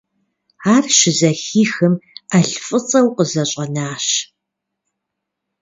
Ар щызэхихым, Ӏэлфӏыцӏэу къызэщӏэнащ.